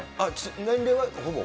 年齢はほぼ？